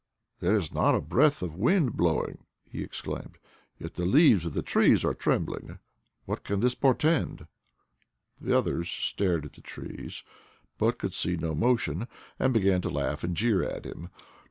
" There is not a breath of wind blowing," he exclaimed, "yet the leaves of the trees are trembling. What can this portend t" The others stared at the trees, but could see no motion, and began to laugh and jeer at him.